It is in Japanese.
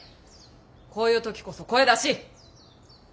こういう時こそ声出し！